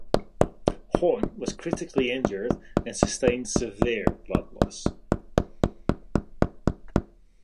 Horn was critically injured and sustained severe blood loss.